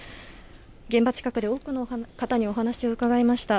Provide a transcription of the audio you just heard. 現場近くで多くの方にお話を伺いました。